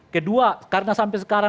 kedua karena sampai sekarang